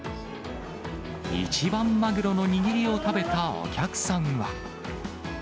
一番マグロの握りを食べたお客さんは。